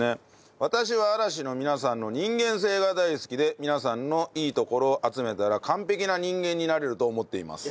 私は嵐の皆さんの人間性が大好きで皆さんのいいところを集めたら完璧な人間になれると思っています。